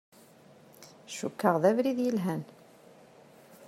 Cukkeɣ d abrid yelhan.